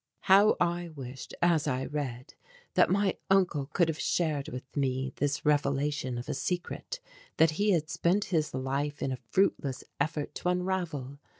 How I wished, as I read, that my uncle could have shared with me this revelation of a secret that he had spent his life in a fruitless effort to unravel.